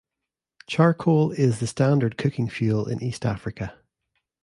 Charcoal is the standard cooking fuel in East Africa.